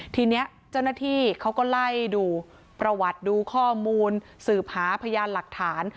ทีนี้เจ้าหน้าที่เขาก็ไล่ดูประวัติดูข้อมูลสืบหาพยานหลักฐาน